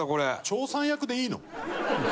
長さん役でいいの？